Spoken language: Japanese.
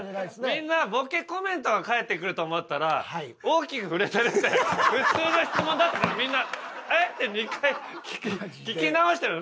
みんなボケコメントが返ってくると思ったら「大きく振れてる？」って普通の質問だったからみんな「えっ？」って２回聞き直した。